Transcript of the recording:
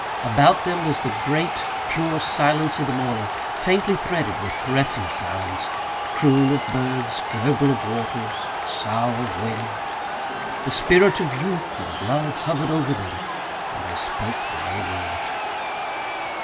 About them was the great, pure silence of the morning, faintly threaded with caressing sounds croon of birds, gurgle of waters, sough of wind. The spirit of youth and love hovered over them and they spoke no word.